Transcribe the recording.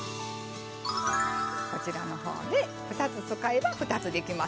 こちらのほうで２つ使えば２つできます。